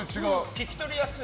聞き取りやすい。